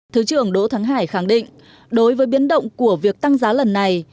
thứ trưởng đỗ thắng hải khẳng định đối với biến động của việc tăng giá lần này